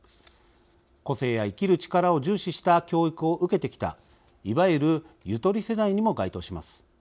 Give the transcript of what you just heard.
個性や生きる力を重視した教育を受けてきたいわゆるゆとり世代にも該当します。